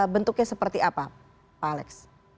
bentuknya seperti apa pak alex